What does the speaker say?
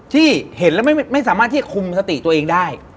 ที่เห็นแล้วไม่สามารถที่คุมสติตัวเองได้